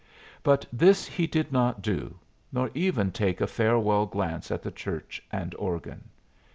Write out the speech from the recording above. But this he did not do, nor even take a farewell glance at the church and organ.